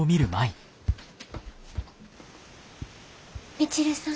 美知留さん。